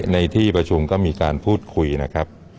ในที่ประชุมก็มีการพูดคุยนะครับ